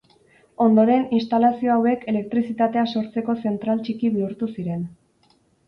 Ondoren, instalazio hauek elektrizitatea sortzeko zentral txiki bihurtu ziren.